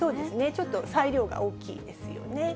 ちょっと裁量が大きいですよね。